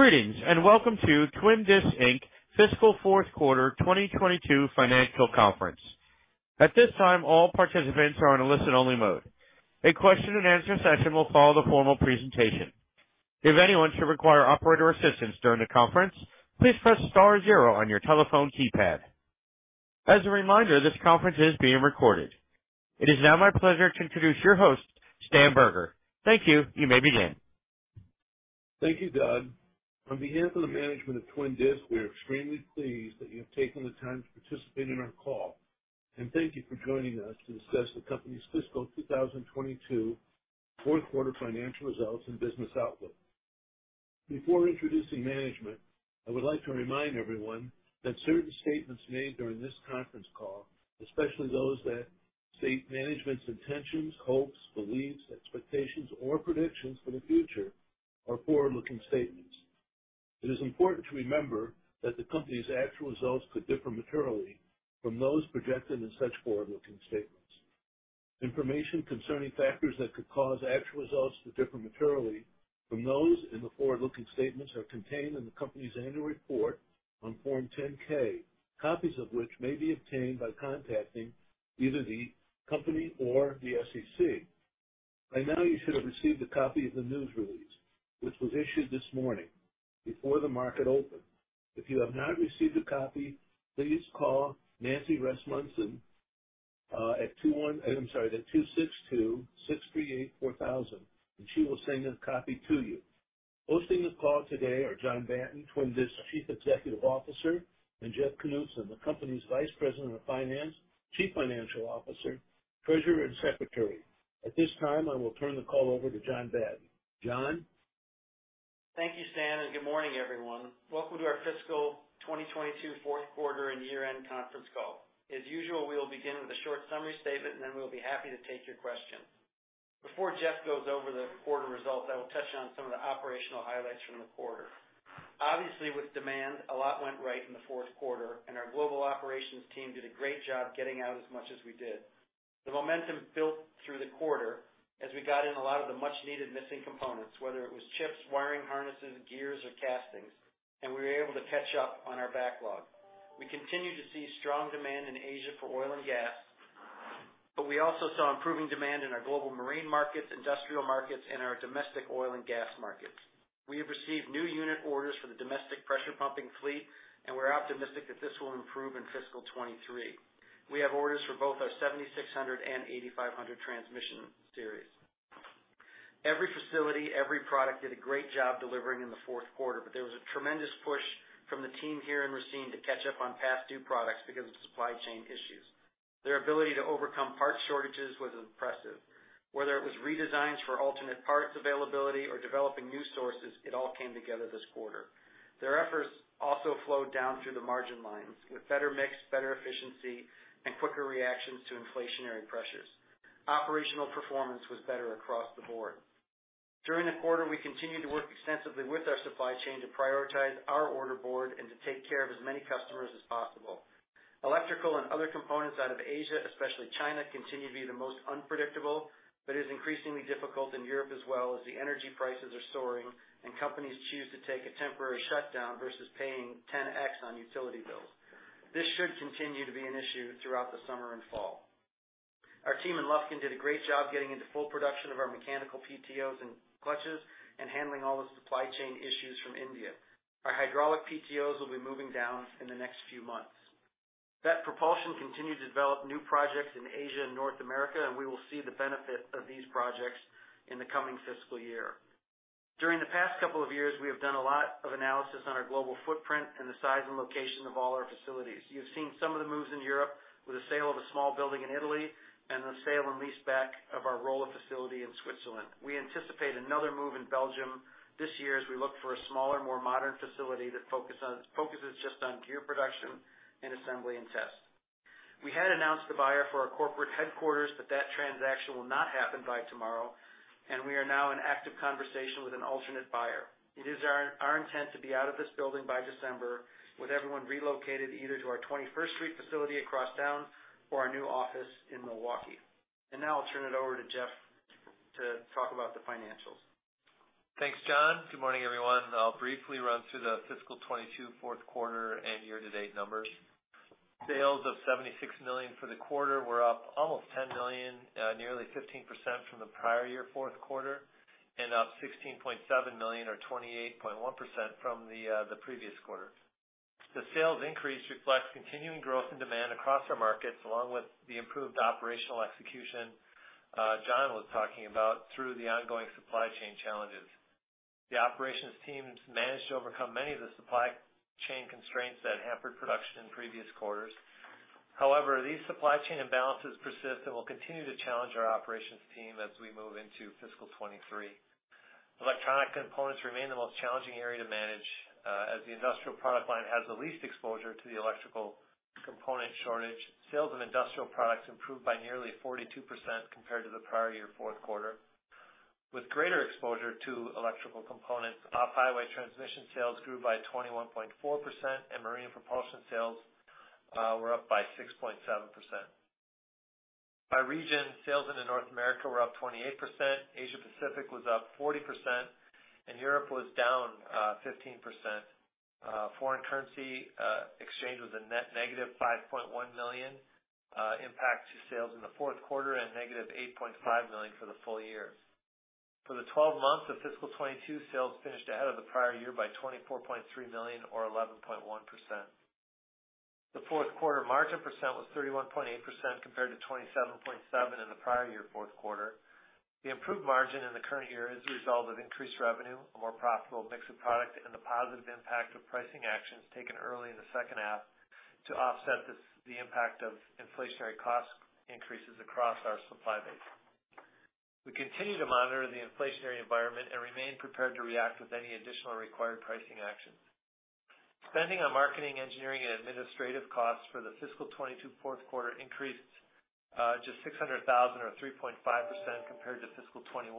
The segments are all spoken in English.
Greetings, and welcome to Twin Disc, Inc fiscal fourth quarter 2022 financial conference. At this time, all participants are on a listen only mode. A question and answer session will follow the formal presentation. If anyone should require operator assistance during the conference, please press star zero on your telephone keypad. As a reminder, this conference is being recorded. It is now my pleasure to introduce your host, Stan Berger. Thank you. You may begin. Thank you, Doug. On behalf of the management of Twin Disc, we are extremely pleased that you have taken the time to participate in our call, and thank you for joining us to discuss the company's fiscal 2022 fourth quarter financial results and business outlook. Before introducing management, I would like to remind everyone that certain statements made during this conference call, especially those that state management's intentions, hopes, beliefs, expectations, or predictions for the future are forward-looking statements. It is important to remember that the company's actual results could differ materially from those projected in such forward-looking statements. Information concerning factors that could cause actual results to differ materially from those in the forward-looking statements are contained in the company's annual report on Form 10-K, copies of which may be obtained by contacting either the company or the SEC. By now, you should have received a copy of the news release, which was issued this morning before the market opened. If you have not received a copy, please call Nancy Rasmussen at 262-638-4000, and she will send a copy to you. Hosting this call today are John Batten, Twin Disc's Chief Executive Officer, and Jeff Knutson, the company's Vice President of Finance, Chief Financial Officer, Treasurer, and Secretary. At this time, I will turn the call over to John Batten. John? Thank you, Stan, and good morning, everyone. Welcome to our fiscal 2022 fourth quarter and year-end conference call. As usual, we will begin with a short summary statement, and then we'll be happy to take your questions. Before Jeff goes over the quarter results, I will touch on some of the operational highlights from the quarter. Obviously, with demand, a lot went right in the fourth quarter, and our global operations team did a great job getting out as much as we did. The momentum built through the quarter as we got in a lot of the much needed missing components, whether it was chips, wiring harnesses, gears or castings, and we were able to catch up on our backlog. We continue to see strong demand in Asia for oil and gas, but we also saw improving demand in our global marine markets, industrial markets, and our domestic oil and gas markets. We have received new unit orders for the domestic pressure pumping fleet, and we're optimistic that this will improve in fiscal 2023. We have orders for both our 7600 and 8500 transmission series. Every facility, every product did a great job delivering in the fourth quarter, but there was a tremendous push from the team here in Racine to catch up on past due products because of supply chain issues. Their ability to overcome parts shortages was impressive. Whether it was redesigns for alternate parts availability or developing new sources, it all came together this quarter. Their efforts also flowed down through the margin lines with better mix, better efficiency, and quicker reactions to inflationary pressures. Operational performance was better across the board. During the quarter, we continued to work extensively with our supply chain to prioritize our order board and to take care of as many customers as possible. Electrical and other components out of Asia, especially China, continue to be the most unpredictable, but is increasingly difficult in Europe as well as the energy prices are soaring and companies choose to take a temporary shutdown versus paying 10x on utility bills. This should continue to be an issue throughout the summer and fall. Our team in Lufkin did a great job getting into full production of our mechanical PTOs and clutches and handling all the supply chain issues from India. Our hydraulic PTOs will be moving down in the next few months. Veth Propulsion continued to develop new projects in Asia and North America, and we will see the benefit of these projects in the coming fiscal year. During the past couple of years, we have done a lot of analysis on our global footprint and the size and location of all our facilities. You've seen some of the moves in Europe with the sale of a small building in Italy and the sale and leaseback of our Rolle facility in Switzerland. We anticipate another move in Belgium this year as we look for a smaller, more modern facility that focuses just on gear production and assembly and test. We had announced the buyer for our corporate headquarters, but that transaction will not happen by tomorrow, and we are now in active conversation with an alternate buyer. It is our intent to be out of this building by December, with everyone relocated either to our 21st Street facility across town or our new office in Milwaukee. Now I'll turn it over to Jeff to talk about the financials. Thanks, John. Good morning, everyone. I'll briefly run through the fiscal 2022 fourth quarter and year-to-date numbers. Sales of $76 million for the quarter were up almost $10 million, nearly 15% from the prior-year fourth quarter, and up $16.7 million or 28.1% from the previous quarter. The sales increase reflects continuing growth and demand across our markets, along with the improved operational execution, John was talking about through the ongoing supply chain challenges. The operations teams managed to overcome many of the supply chain constraints that hampered production in previous quarters. However, these supply chain imbalances persist and will continue to challenge our operations team as we move into fiscal 2023. Electronic components remain the most challenging area to manage. As the industrial product line has the least exposure to the electrical component shortage. Sales of industrial products improved by nearly 42% compared to the prior-year fourth quarter. With greater exposure to electrical components, off-highway transmission sales grew by 21.4%, and marine propulsion sales were up by 6.7%. By region, sales into North America were up 28%, Asia Pacific was up 40%, and Europe was down 15%. Foreign currency exchange was a net -$5.1 million impact to sales in the fourth quarter and -$8.5 million for the full year. For the twelve months of fiscal 2022, sales finished ahead of the prior-year by $24.3 million or 11.1%. The fourth quarter margin percent was 31.8% compared to 27.7% in the prior-year fourth quarter. The improved margin in the current year is a result of increased revenue, a more profitable mix of product, and the positive impact of pricing actions taken early in the second half to offset the impact of inflationary cost increases across our supply base. We continue to monitor the inflationary environment and remain prepared to react with any additional required pricing actions. Spending on marketing, engineering, and administrative costs for the fiscal 2022 fourth quarter increased to $600,000 or 3.5% compared to fiscal 2021.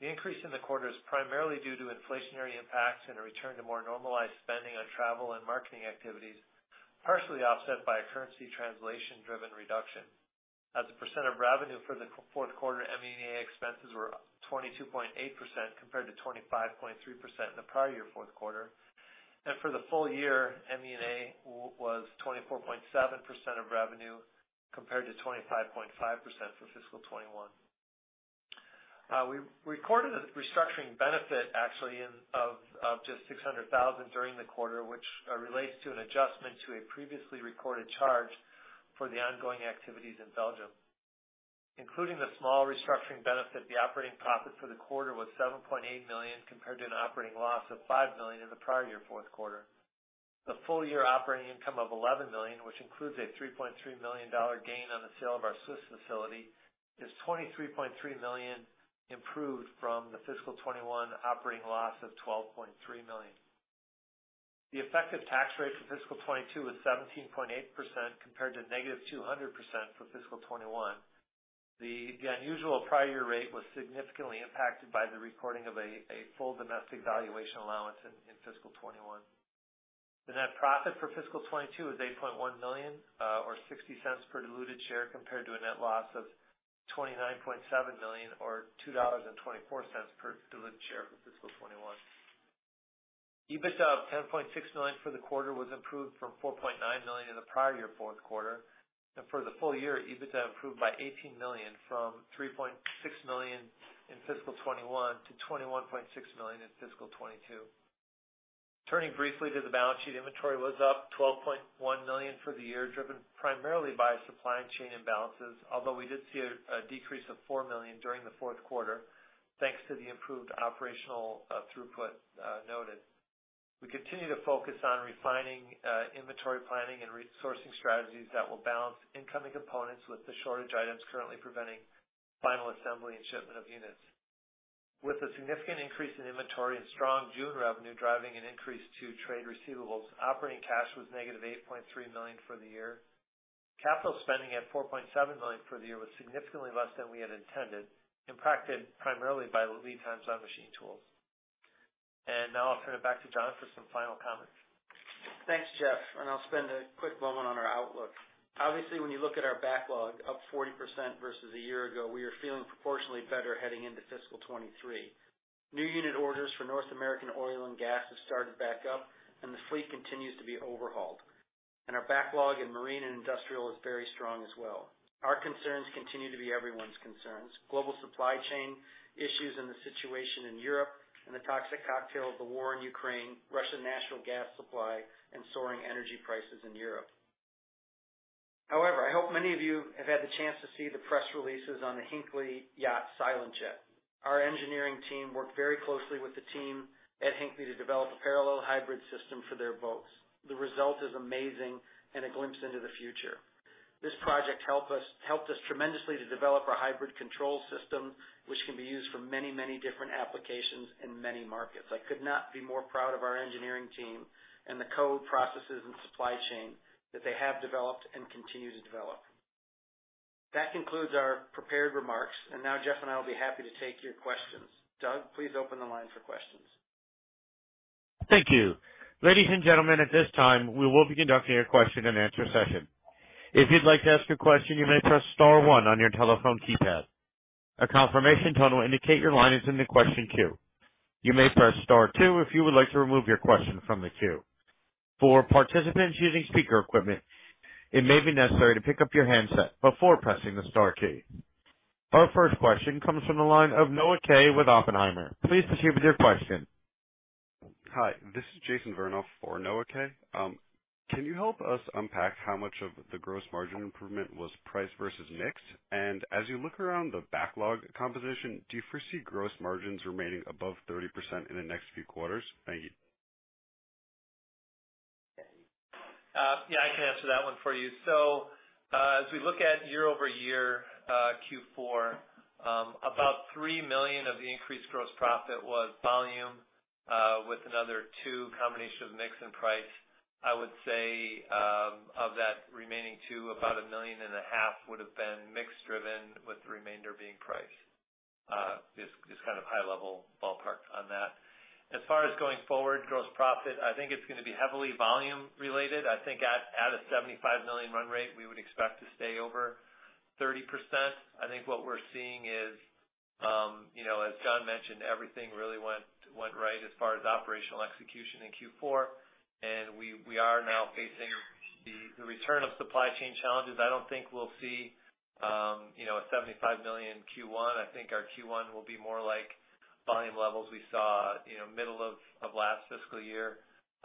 The increase in the quarter is primarily due to inflationary impacts and a return to more normalized spending on travel and marketing activities, partially offset by a currency translation-driven reduction. As a percent of revenue for the Q4, M&A expenses were up 22.8% compared to 25.3% in the prior-year fourth quarter. For the full year, M&A was 24.7% of revenue compared to 25.5% for fiscal 2021. We recorded a restructuring benefit actually of just $600,000 during the quarter, which relates to an adjustment to a previously recorded charge for the ongoing activities in Belgium. Including the small restructuring benefit, the operating profit for the quarter was $7.8 million compared to an operating loss of $5 million in the prior-year fourth quarter. The full-year operating income of $11 million, which includes a $3.3 million gain on the sale of our Swiss facility, is $23.3 million improved from the fiscal 2021 operating loss of $12.3 million. The effective tax rate for fiscal 2022 was 17.8% compared to -200% for fiscal 2021. The unusual prior year rate was significantly impacted by the recording of a full domestic valuation allowance in fiscal 2021. The net profit for fiscal 2022 was $8.1 million or $0.60 per diluted share compared to a net loss of $29.7 million or $2.24 per diluted share for fiscal 2021. EBITDA of $10.6 million for the quarter was improved from $4.9 million in the prior-year fourth quarter. For the full year, EBITDA improved by $18 million from $3.6 million in fiscal 2021 to $21.6 million in fiscal 2022. Turning briefly to the balance sheet, inventory was up $12.1 million for the year, driven primarily by supply chain imbalances, although we did see a decrease of $4 million during the fourth quarter, thanks to the improved operational throughput noted. We continue to focus on refining inventory planning and resourcing strategies that will balance incoming components with the shortage items currently preventing final assembly and shipment of units. With a significant increase in inventory and strong June revenue driving an increase to trade receivables, operating cash was -$8.3 million for the year. Capital spending at $4.7 million for the year was significantly less than we had intended, impacted primarily by the lead times on machine tools. Now I'll turn it back to John for some final comments. Thanks, Jeff, and I'll spend a quick moment on our outlook. Obviously, when you look at our backlog, up 40% versus a year ago, we are feeling proportionately better heading into fiscal 2023. New unit orders for North American oil and gas have started back up, and the fleet continues to be overhauled. Our backlog in marine and industrial is very strong as well. Our concerns continue to be everyone's concerns. Global supply chain issues and the situation in Europe and the toxic cocktail of the war in Ukraine, Russian natural gas supply, and soaring energy prices in Europe. However, I hope many of you have had the chance to see the press releases on the Hinckley Yachts SilentJet. Our engineering team worked very closely with the team at Hinckley to develop a parallel hybrid system for their boats. The result is amazing and a glimpse into the future. This project helped us tremendously to develop our hybrid control system, which can be used for many, many different applications in many markets. I could not be more proud of our engineering team and the code, processes, and supply chain that they have developed and continue to develop. That concludes our prepared remarks. Now Jeff and I will be happy to take your questions. Doug, please open the line for questions. Thank you. Ladies and gentlemen, at this time, we will be conducting a question-and-answer session. If you'd like to ask a question, you may press star one on your telephone keypad. A confirmation tone will indicate your line is in the question queue. You may press star two if you would like to remove your question from the queue. For participants using speaker equipment, it may be necessary to pick up your handset before pressing the star key. Our first question comes from the line of Noah Kaye with Oppenheimer. Please proceed with your question. Hi, this is Jason Vernoff for Noah Kaye. Can you help us unpack how much of the gross margin improvement was price versus mix? As you look around the backlog composition, do you foresee gross margins remaining above 30% in the next few quarters? Thank you. Yeah, I can answer that one for you. As we look at year-over-year Q4, about $3 million of the increased gross profit was volume, with another $2 million, a combination of mix and price. I would say, of that remaining $2 million, about $1.5 million would have been mix driven, with the remainder being price. Just kind of high level ballpark on that. As far as going forward, gross profit, I think it's gonna be heavily volume related. I think at a $75 million run rate, we would expect to stay over 30%. I think what we're seeing is, you know, as John mentioned, everything really went right as far as operational execution in Q4, and we are now facing the return of supply chain challenges. I don't think we'll see, you know, a $75 million Q1. I think our Q1 will be more like volume levels we saw, you know, middle of last fiscal year.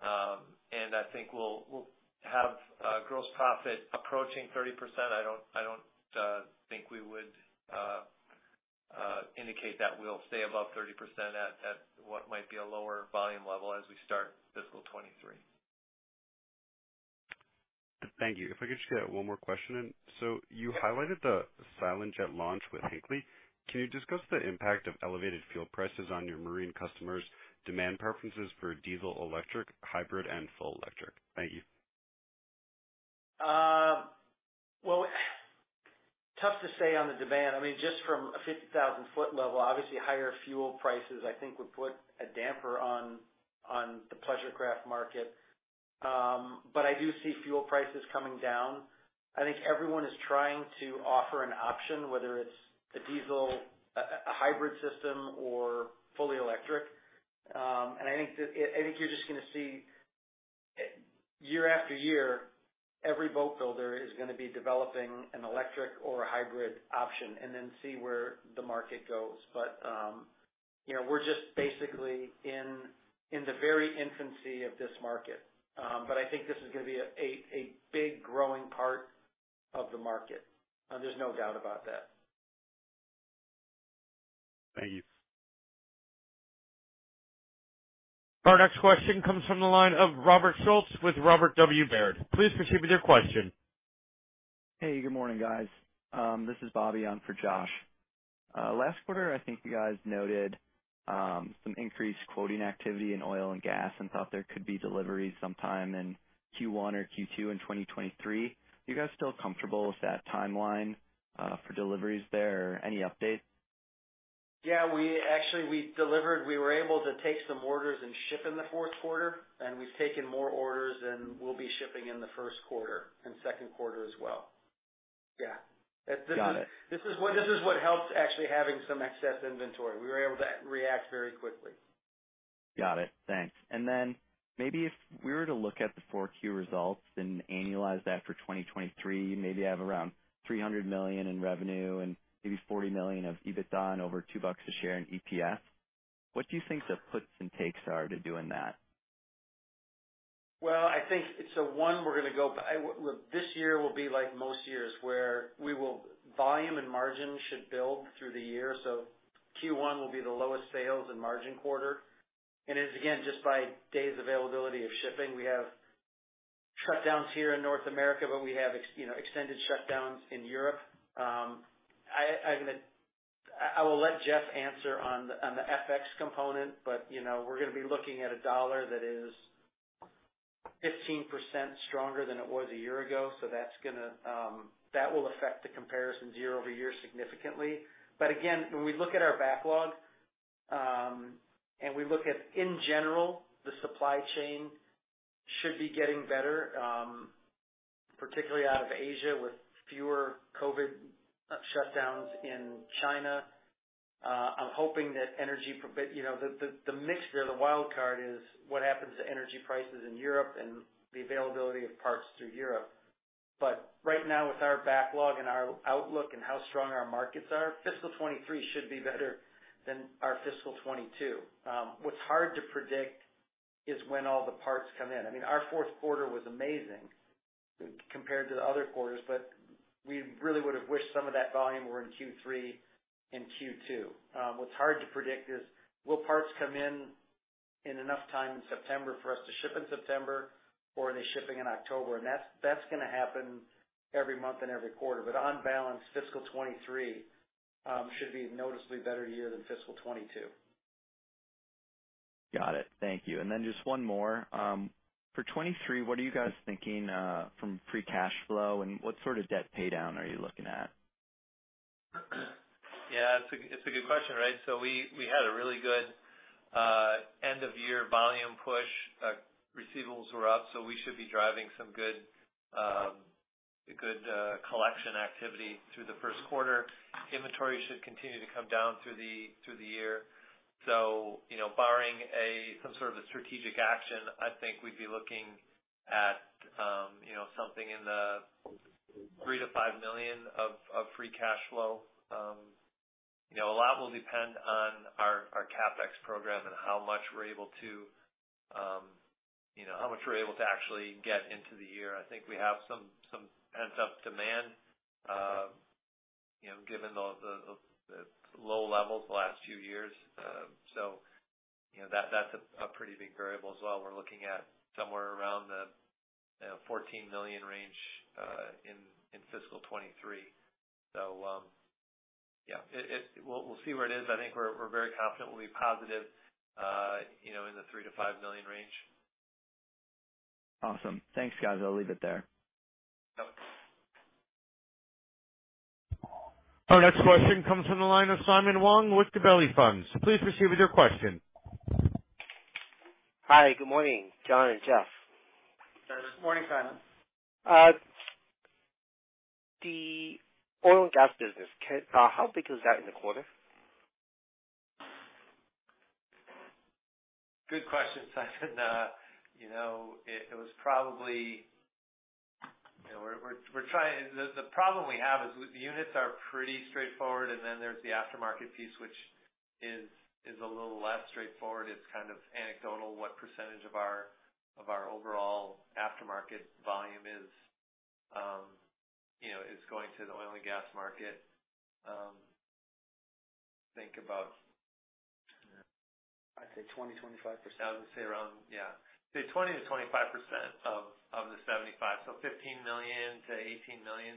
I think we'll have gross profit approaching 30%. I don't think we would indicate that we'll stay above 30% at what might be a lower volume level as we start fiscal 2023. Thank you. If I could just get one more question in. You highlighted the SilentJet launch with Hinckley. Can you discuss the impact of elevated fuel prices on your marine customers' demand preferences for diesel, electric, hybrid, and full electric? Thank you. Well, tough to say on the demand. I mean, just from a 50,000-foot level, obviously higher fuel prices I think would put a damper on the pleasure craft market. I do see fuel prices coming down. I think everyone is trying to offer an option, whether it's a diesel, a hybrid system or fully electric. I think that I think you're just gonna see, year-after-year, every boat builder is gonna be developing an electric or a hybrid option and then see where the market goes. You know, we're just basically in the very infancy of this market. I think this is gonna be a big growing part of the market. There's no doubt about that. Thank you. Our next question comes from the line of Robert Schultz with Robert W. Baird. Please proceed with your question. Hey, good morning, guys. This is Robert on for Josh. Last quarter, I think you guys noted some increased quoting activity in oil and gas and thought there could be deliveries sometime in Q1 or Q2 in 2023. Are you guys still comfortable with that timeline for deliveries there? Any updates? Yeah. Actually, we delivered. We were able to take some orders and ship in the fourth quarter, and we've taken more orders, and we'll be shipping in the first quarter and second quarter as well. Got it. This is what helps actually having some excess inventory. We were able to react very quickly. Got it. Thanks. Then maybe if we were to look at the Q4 results, then annualize that for 2023, you maybe have around $300 million in revenue and maybe $40 million of EBITDA and over $2 a share in EPS. What do you think the puts and takes are to doing that? This year will be like most years, where volume and margin should build through the year, so Q1 will be the lowest sales and margin quarter. It's again, just by days availability of shipping. We have shutdowns here in North America, but we have extended shutdowns in Europe. I will let Jeff answer on the FX component. You know, we're gonna be looking at the dollar that is 15% stronger than it was a year ago. That will affect the comparisons year-over-year significantly. Again, when we look at our backlog, and we look at in general, the supply chain should be getting better, particularly out of Asia with fewer COVID shutdowns in China. You know, the mixture, the wild card is what happens to energy prices in Europe and the availability of parts through Europe. Right now, with our backlog and our outlook and how strong our markets are, fiscal 2023 should be better than our fiscal 2022. What's hard to predict is when all the parts come in. I mean, our fourth quarter was amazing compared to the other quarters, but we really would have wished some of that volume were in Q3 and Q2. What's hard to predict is will parts come in enough time in September for us to ship in September, or are they shipping in October? That's gonna happen every month and every quarter. On balance, fiscal 2023 should be a noticeably better year than fiscal 2022. Got it. Thank you. Just one more. For 2023, what are you guys thinking from free cash flow, and what sort of debt paydown are you looking at? Yeah. It's a good question, right? We had a really good end of year volume push. Receivables were up, so we should be driving some good collection activity through the first quarter. Inventory should continue to come down through the year. You know, barring some sort of a strategic action, I think we'd be looking at something in the $3 million-$5 million of free cash flow. You know, a lot will depend on our CapEx program and how much we're able to actually get into the year. I think we have some pent-up demand, you know, given the low levels the last few years. You know, that's a pretty big variable as well. We're looking at somewhere around the, you know, $14 million range in fiscal 2023. We'll see where it is. I think we're very confident we'll be positive, you know, in the $3 million-$5 million range. Awesome. Thanks, guys. I'll leave it there. Our next question comes from the line of Simon Wong with Gabelli Funds. Please proceed with your question. Hi, good morning, John and Jeff. Good morning, Simon. The oil and gas business. How big is that in the quarter? Good question, Simon. You know, we're trying. The problem we have is the units are pretty straightforward, and then there's the aftermarket piece, which is a little less straightforward. It's kind of anecdotal what percentage of our overall aftermarket volume is, you know, going to the oil and gas market. Think about. I'd say 20%-25%. I would say around, yeah. Say 20%-25% of the $75 million. So $15 million-$18 million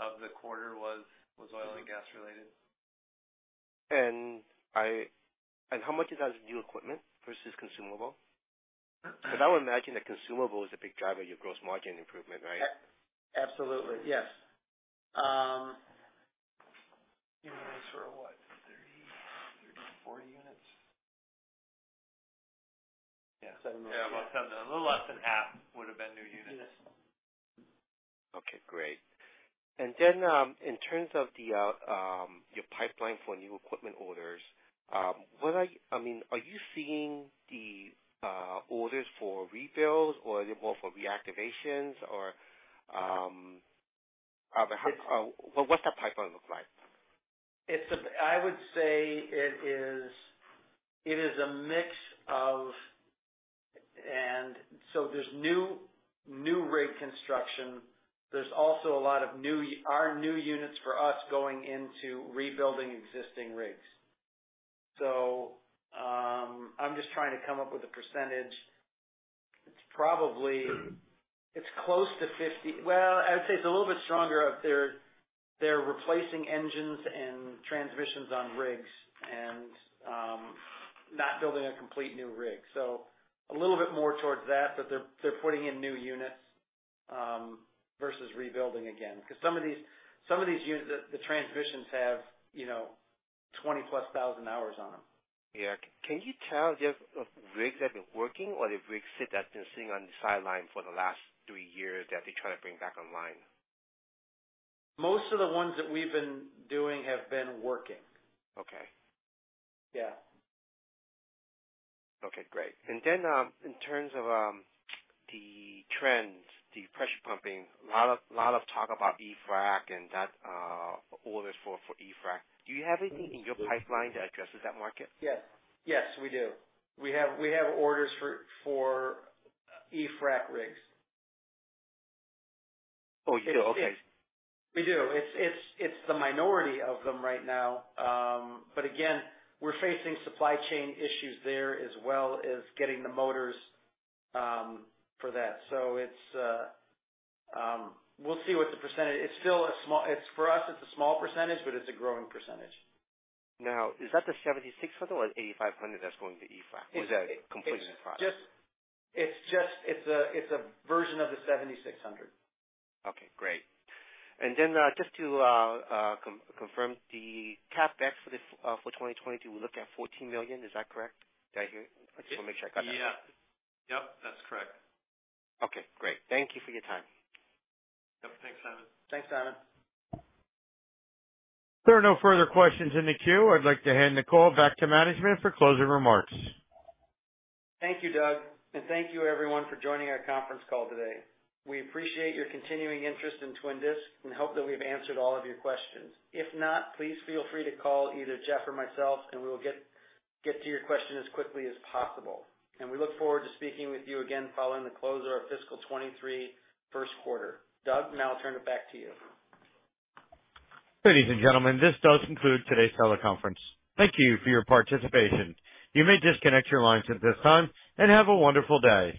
of the quarter was oil and gas related. How much of that is new equipment versus consumable? Because I would imagine the consumable is a big driver of your gross margin improvement, right? Absolutely, yes. Units were, what, 30 units, 40 units? Yeah. Yeah, about seven. A little less than half would have been new units. Okay, great. Then, in terms of your pipeline for new equipment orders, I mean, are you seeing the orders for rebuilds, or are they more for reactivations? What's that pipeline look like? It's a mix of. There's new rig construction. There's also a lot of our new units going into rebuilding existing rigs. I'm just trying to come up with a percentage. It's probably close to 50 units. Well, I would say it's a little bit stronger if they're replacing engines and transmissions on rigs and not building a complete new rig. A little bit more towards that, but they're putting in new units versus rebuilding again, because some of these units, the transmissions have, you know, 20,000+ hours on them. Yeah. Can you tell if rigs have been working or the rigs that have been sitting on the sideline for the last three years that they're trying to bring back online? Most of the ones that we've been doing have been working. Okay. Yeah. Okay, great. In terms of the trends, the pressure pumping, a lot of talk about e-frac and that, orders for e-frac. Do you have anything in your pipeline that addresses that market? .YesYes, we do. We have orders for e-frac rigs. Oh, you do? We do. It's the minority of them right now. Again, we're facing supply chain issues there as well as getting the motors for that. We'll see what the percentage. For us, it's a small percentage, but it's a growing percentage. Now, is that the 7600 or 8500 that's going to e-frac? Is that completed product? It's just a version of the 7600. Okay great. Just to confirm the CapEx for 2022, we're looking at $14 million. Is that correct? Did I hear? I just wanna make sure I got that. Yeah. That's correct. Okay great. Thank you for your time. Yep. Thanks, Simon. Thanks, Simon. There are no further questions in the queue. I'd like to hand the call back to management for closing remarks. Thank you Doug. Thank you everyone for joining our conference call today. We appreciate your continuing interest in Twin Disc and hope that we've answered all of your questions. If not, please feel free to call either Jeff or myself, and we will get to your question as quickly as possible. We look forward to speaking with you again following the close of our fiscal 2023 first quarter. Doug, now I'll turn it back to you. Ladies and gentlemen, this does conclude today's teleconference. Thank you for your participation. You may disconnect your lines at this time, and have a wonderful day.